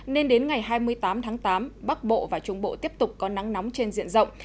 nên đến ngày hai mươi tám tháng tám bắc bộ và trung bộ tiếp tục có nắng nóng trên diện rộng